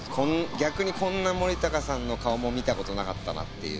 逆にこんな森高さんの顔も見たことなかったなという。